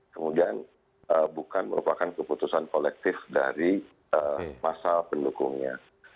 kemudian bukan merupakan keputusan kolektif dari masa pendukungnya